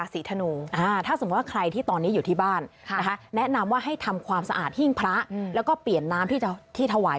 ซื้อน้ำมะพร้าวก็ได้